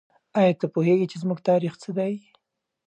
آیا ته پوهېږې چې زموږ تاریخ څه دی؟